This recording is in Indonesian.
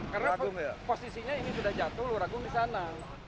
karena posisinya ini sudah jatuh luragung di sana